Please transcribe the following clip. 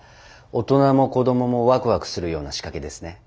大人も子供もワクワクするような仕掛けですね。